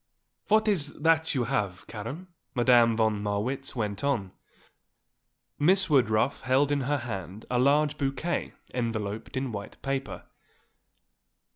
"What is that you have, Karen?" Madame von Marwitz went on. Miss Woodruff held in her hand a large bouquet enveloped in white paper.